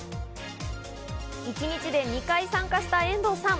一日で２回参加した遠藤さん。